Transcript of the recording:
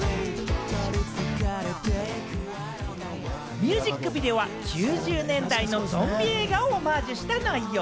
ミュージックビデオは９０年代のゾンビ映画をオマージュした内容。